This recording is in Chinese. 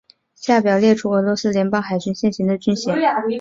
下表列出俄罗斯联邦海军现行的军衔。